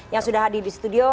yang sudah hadir di studio